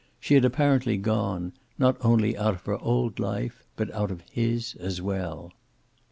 She had apparently gone, not only out of her old life, but out of his as well.